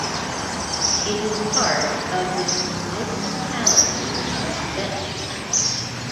It is part of the municipality of Bettingen.